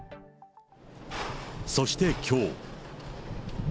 そしてきょう。